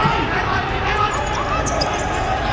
สวัสดีครับทุกคน